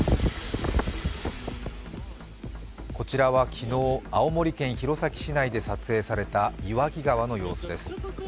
こちらは昨日、青森県弘前市内で撮影された岩木川の様子です。